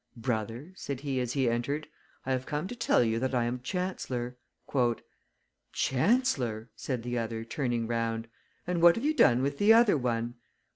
"Brother," said he, as he entered, "I have come to tell you that I am chancellor." "Chancellor!" said the other, turning round; "and what have you done with the other one?"